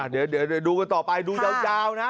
เดี๋ยวดูกันต่อไปดูยาวนะ